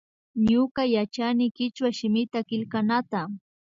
Ñuka yachani kichwa shimita killknata